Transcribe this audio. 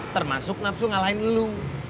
termasuk nafsu ngalahin lo